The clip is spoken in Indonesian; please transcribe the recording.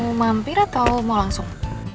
mau mampir atau mau langsung